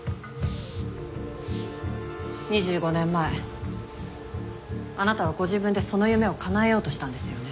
２５年前あなたはご自分でその夢をかなえようとしたんですよね。